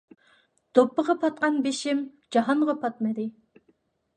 دوپپىغا پاتقان بېشىم جاھانغا پاتمىدى.